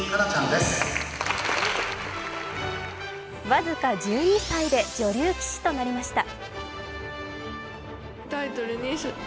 僅か１２歳で女流棋士となりました。